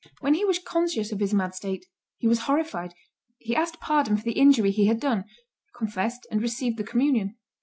When he was conscious of his mad state, he was horrified; he asked pardon for the injury he had done, confessed and received the communion.